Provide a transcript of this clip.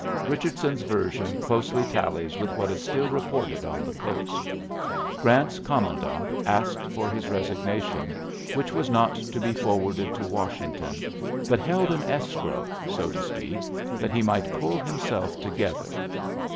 Bich ardson's version closely tallies with what is still reported on the coast. Grant^s commandant asked for his resig nation, which was not to be forwarded to Washington, but held in escrow, so to speak, that he might pull himself to gether.